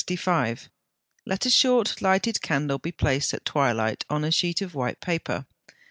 Let a short, lighted candle be placed at twilight on a sheet of white paper.